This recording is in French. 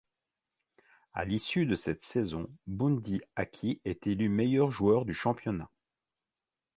À l'issue de cette saison, Bundee Aki est élu meilleur joueur du championnat.